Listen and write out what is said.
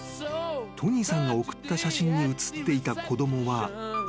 ［トニーさんが送った写真に写っていた子供は］